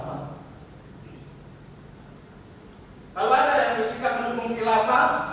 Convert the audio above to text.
kalau ada yang bersikap mendukung kilapa